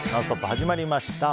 始まりました。